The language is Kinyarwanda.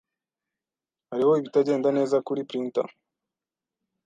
Hariho ibitagenda neza kuri printer.